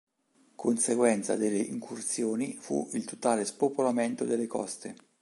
Conseguenza delle incursioni fu il totale spopolamento delle coste.